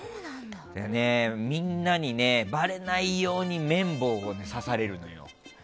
みんなに、ばれないように綿棒を刺されるのよ。